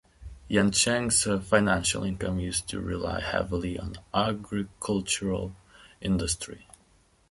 Yancheng's financial income used to rely heavily on agricultural industry.